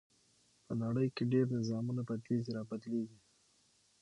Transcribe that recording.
په نړۍ کې ډېر نظامونه بدليږي را بدلېږي .